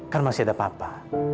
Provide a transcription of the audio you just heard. kan masih ada papa